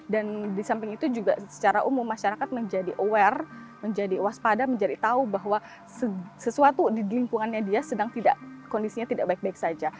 dan disamping itu juga secara umum masyarakat menjadi aware menjadi waspada menjadi tahu bahwa sesuatu di lingkungannya dia sedang tidak kondisinya tidak baik baik saja